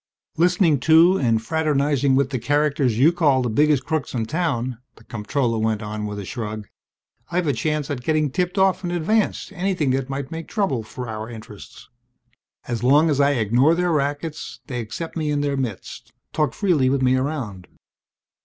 "Listening to and fraternizing with the characters you call the biggest crooks in town," the comptroller went on with a shrug, "I've a chance at getting tipped off in advance to anything that may make trouble for our interests. As long as I ignore their rackets they accept me in their midst, talk freely with me around.